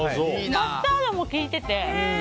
マスタードも効いてて。